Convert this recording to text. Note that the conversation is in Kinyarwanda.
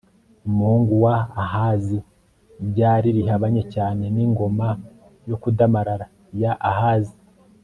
umuhungu wa ahazi ryari rihabanye cyane n'ingoma yo kudamarara ya ahazi